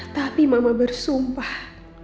tapi mama bersumpah